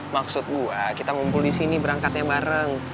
maksud gue kita ngumpul disini berangkatnya bareng